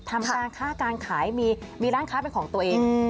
ทำการค่าการขายมีร้านค้าเป็นของตัวเอง